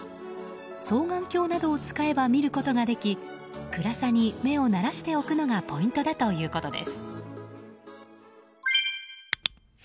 双眼鏡などを使えば見ることができ暗さに目を慣らしておくのがポイントだということです。